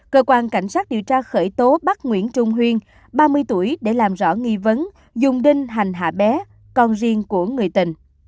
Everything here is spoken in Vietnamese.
cơ quan cảnh sát điều tra khởi tố bắt nguyễn trung huyên ba mươi tuổi để làm rõ nghi vấn dùng đinh hành hạ bé con riêng của người tình